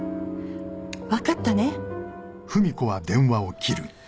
わかったね！？